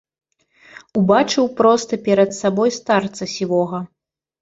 Убачыў проста перад сабой старца сівога.